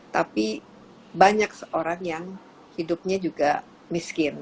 tapi banyak seorang yang hidupnya juga miskin